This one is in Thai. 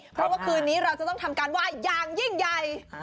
เพราะว่าคืนนี้เราจะต้องทำการไหว้อย่างยิ่งใหญ่